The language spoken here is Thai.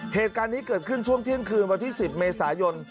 เหตุการณ์นี้เกิดขึ้นช่วงเที่ยงคืนวันที่๑๐เมษายน